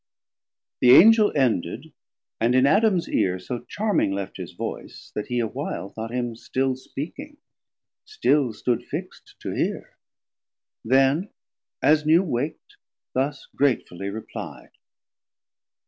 [THE Angel ended, and in Adams Eare So Charming left his voice, that he a while Thought him still speaking, still stood fixt to hear; Then as new wak't thus gratefully repli'd.